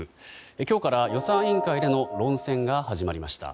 今日から予算委員会での論戦が始まりました。